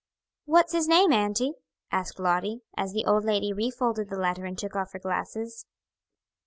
"What's his name, auntie?" asked Lottie, as the old lady refolded the letter and took off her glasses.